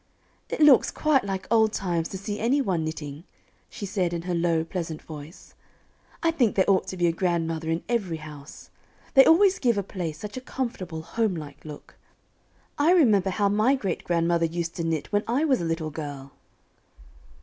"It looks quite like old times to see any one knitting," she said, in her low, pleasant voice. "I think there ought to be a grandmother in every house; they always give a place such a comfortable, homelike look. I remember how my great grandmother used to knit when I was a little girl."